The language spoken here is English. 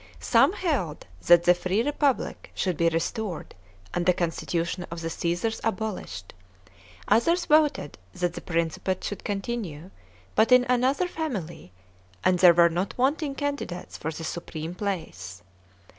Some held that the free Republic should be restored and the constitution of the Ca?sars abolished ; others voted that the Principate should continue, but in another family, and there were not wanting candidates for the supreme place.